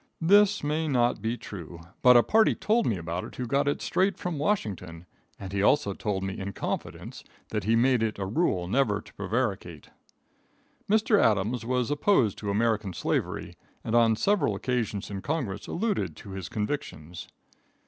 This may not be true, but a party told me about it who got it straight from Washington, and he also told me in confidence that he made it a rule never to prevaricate. Mr. Adams was opposed to American slavery, and on several occasions in Congress alluded to his convictions.